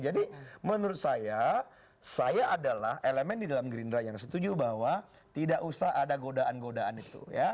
jadi menurut saya saya adalah elemen di dalam gerindra yang setuju bahwa tidak usah ada godaan godaan itu